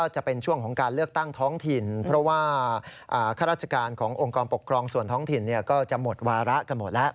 จะหมดหวาระกันหมดแล้ว